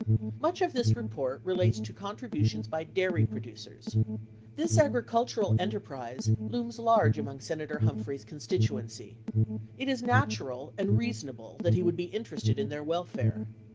Much of this report relates to contributions by dairy producers. This agricultural enterprise looms large among Senator Humphrey's con stituency. It is natural and reasonable that he would be interested in their welfare.